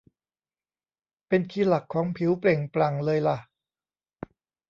เป็นคีย์หลักของผิวเปล่งปลั่งเลยล่ะ